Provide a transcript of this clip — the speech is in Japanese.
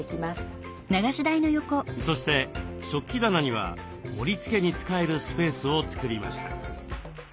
そして食器棚には盛りつけに使えるスペースを作りました。